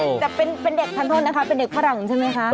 แต่เป็นเด็กทานโทษนะคะเป็นเด็กฝรั่งใช่ไหมคะ